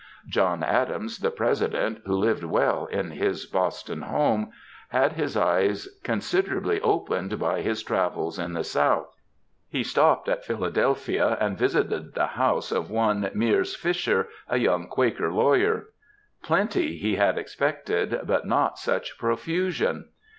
John Adams, the President, who lived well in his Boston home. 288 MEN, WOMEN, AND MINXES had his eyes considerably opened by his travels in the South. He stopped at Philadelphia, and visited the house of one Miers Fisher, a young Quaker lawyer. Plenty he had expected, but not such profusion.